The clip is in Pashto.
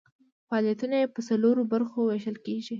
فعالیتونه یې په څلورو برخو ویشل کیږي.